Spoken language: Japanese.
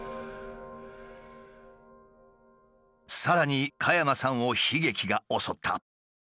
さらに加山さんを悲劇が襲った。